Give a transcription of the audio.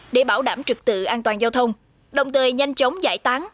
để bảo đảm trực tự an toàn giao thông đồng thời nhanh chóng giải tán